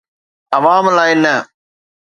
عوام لاءِ نه.